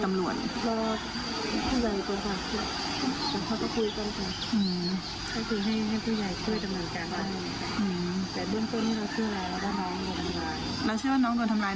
แต่ด้วยมีคนที่เราเชื่อว่าน้องโดนทำร้าย